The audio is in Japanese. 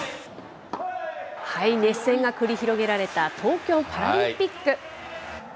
熱戦が繰り広げられた東京パラリンピック。